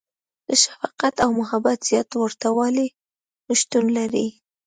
• د شفقت او محبت زیات ورتهوالی شتون لري.